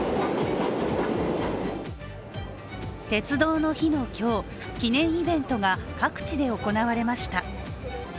鉄道の日の今日、記念イベントが各地で行われました。